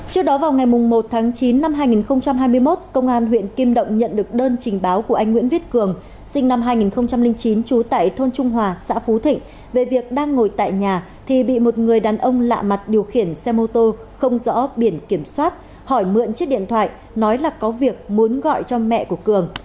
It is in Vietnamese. trước đó vào ngày một tháng chín năm hai nghìn hai mươi một công an huyện kim động nhận được đơn trình báo của anh nguyễn viết cường sinh năm hai nghìn chín trú tại thôn trung hòa xã phú thịnh về việc đang ngồi tại nhà thì bị một người đàn ông lạ mặt điều khiển xe mô tô không rõ biển kiểm soát hỏi mượn chiếc điện thoại nói là có việc muốn gọi cho mẹ của cường